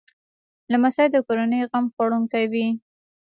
لمسی د کورنۍ غم خوړونکی وي.